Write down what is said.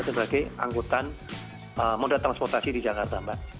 sebagai anggota modal transportasi di jakarta mbak